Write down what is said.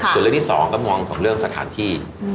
ส่วนเรื่องที่สองก็มองถึงเรื่องสถานที่